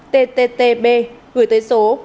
tttb gửi tới số một nghìn bốn trăm một mươi bốn